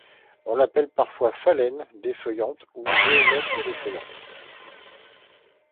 On l'appelle parfois Phalène défeuillante ou Géomètre défeuillante.